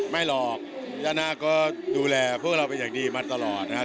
ไม่หรอกย่านาคก็ดูแลพวกเราเป็นอย่างดีมาตลอดนะครับ